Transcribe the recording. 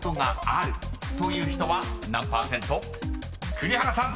［栗原さん］